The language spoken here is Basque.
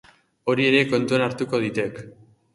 Hori ere kontuan hartuko ditek.